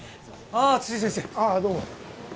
ああどうも。